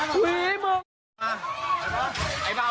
ฟิเฟย์ใหม่หนึ่ง